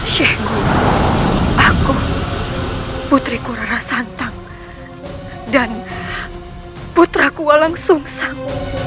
syekhku aku putriku rara santang dan putraku walang sungsang